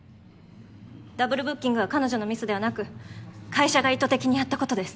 ダブルブッキングは彼女のミスではなく会社が意図的にやったことです。